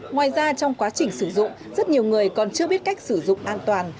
ngoài ra trong quá trình sử dụng rất nhiều người còn chưa biết cách sử dụng an toàn